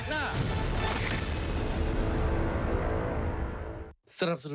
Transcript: ชูเว็ตกำบลพิสิทธิ์